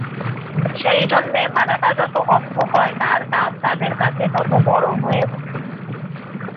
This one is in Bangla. সেইজন্যে মানাটা যত অন্ধ হয় তার দাম তাদের কাছে তত বড়ো হয়ে ওঠে।